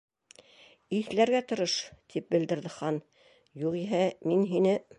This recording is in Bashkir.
—Иҫләргә тырыш, —тип белдерҙе Хан, —юғиһә, мин һине